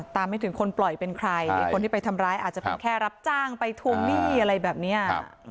ไม่ถึงคนปล่อยเป็นใครไอ้คนที่ไปทำร้ายอาจจะเป็นแค่รับจ้างไปทวงหนี้อะไรแบบเนี้ย